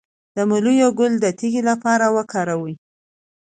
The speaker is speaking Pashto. د مولی ګل د تیږې لپاره وکاروئ